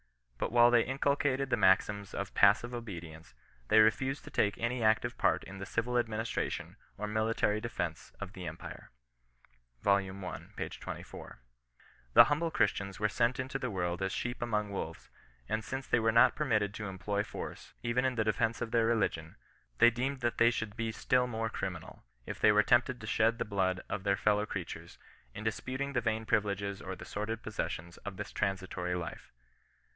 But while they inculcated the maxims of passive obedience, they refused to take any active part in the civil administration or military defence of the empire." Vol. I. p. 24. " The humble Christians were sent into the world as sheep among wolves, and since they were not permitted to em ploy force, even in the defence of their religion, they deemed that they should be still more criminal, if they were tempted to shed the blood of their fellow creatures, in disputing the vain privileges or the sordid possessions of this transitory life.